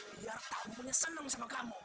biar tampunya senang sama kamu